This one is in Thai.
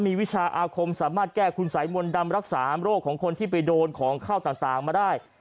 มีวิชาอาคมสามารถแก้คุณสัยมนต์ดำรักษาโรคของคนที่ไปโดนของเข้าต่างมาได้